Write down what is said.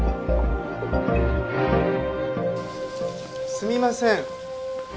すみません。